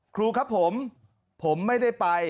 ครูครับผมผมไม่ได้ไป